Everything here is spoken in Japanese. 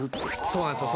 そうなんですよ。